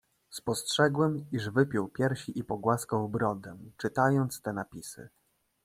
"Spostrzegłem, iż wypiął piersi i pogłaskał brodę, czytając te napisy."